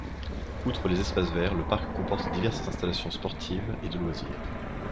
Outre les espaces verts, le parc comporte diverses installations sportives et de loisirs.